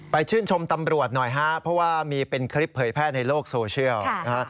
ชื่นชมตำรวจหน่อยฮะเพราะว่ามีเป็นคลิปเผยแพร่ในโลกโซเชียลนะฮะ